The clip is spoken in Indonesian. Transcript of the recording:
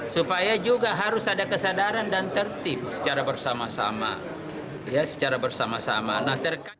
supaya juga harus ada kesadaran dan tertib secara bersama sama